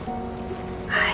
はい。